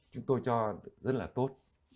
chúng tôi cho rất là tốt